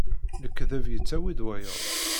Lekdeb yettawi-d wayeḍ.